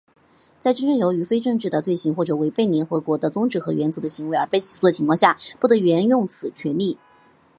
在真正由于非政治性的罪行或违背联合国的宗旨和原则的行为而被起诉的情况下,不得援用此种权利。